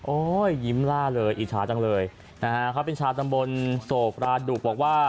ยิ้มล่าเลยอิจฉาจังเลยนะฮะเขาเป็นชาวตำบลโศกราดุบอกว่า